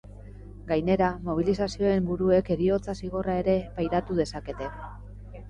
Gainera, mobilizazioen buruek heriotza zigorra ere pairatu dezakete.